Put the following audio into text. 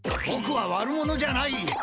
ぼくは悪者じゃない！